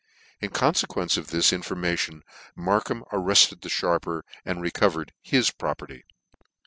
In confequence of this information, Markham arrefted the fharper, and recovered his property.